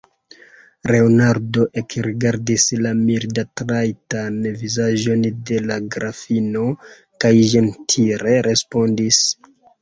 Leonardo ekrigardis la mildatrajtan vizaĝon de la grafino kaj ĝentile respondis: